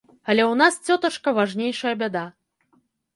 Але ў нас, цётачка, важнейшая бяда.